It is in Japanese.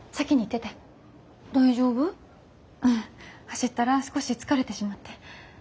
走ったら少し疲れてしまって。